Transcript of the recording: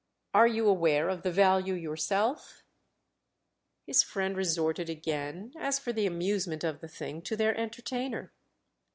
"Are you aware of the value yourself?" His friend resorted again, as for the amusement of the thing, to their entertainer.